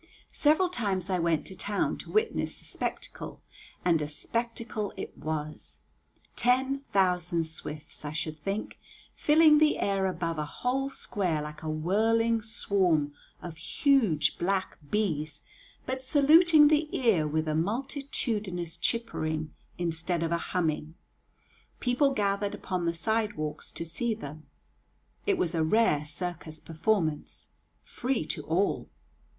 Several times I went to town to witness the spectacle, and a spectacle it was: ten thousand swifts, I should think, filling the air above a whole square like a whirling swarm of huge black bees, but saluting the ear with a multitudinous chippering, instead of a humming. People gathered upon the sidewalks to see them. It was a rare circus performance, free to all.